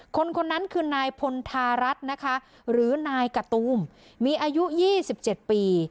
คนคนนั้นคือนายพลธารัฐนะคะหรือนายกะตูมมีอายุ๒๗ปี